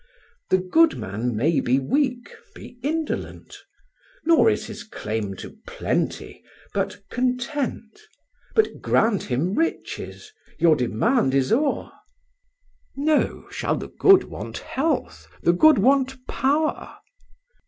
The good man may be weak, be indolent; Nor is his claim to plenty, but content. But grant him riches, your demand is o'er? "No—shall the good want health, the good want power?"